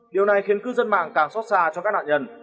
điều này khiến cư dân mạng càng xót xa cho các nạn nhân